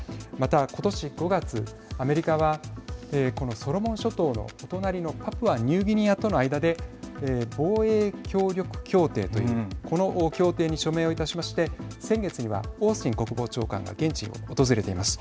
また、ことし５月アメリカはこのソロモン諸島のお隣のパプアニューギニアとの間で防衛協力協定というこの協定に署名をいたしまして先月にはオースティン国防長官が現地に訪れています。